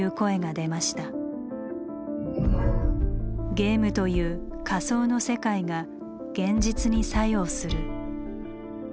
ゲームという「仮想の世界」が「現実」に作用する。